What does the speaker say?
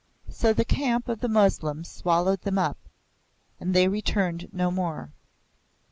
So the camp of the Moslem swallowed them up, and they returned no more.